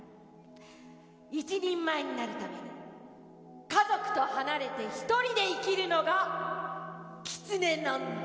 一人前になるために家族と離れて一人で生きるのがキツネなんだ。